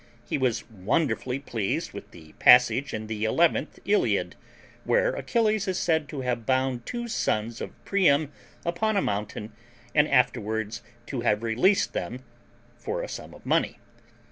He was wonderfully pleased with that passage in the eleventh Iliad where Achilles is said to have bound two sons of Priam upon a mountain, and afterwards to have released them for a sum of money.